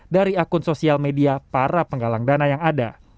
dari akun sosial media para penggalang dana yang ada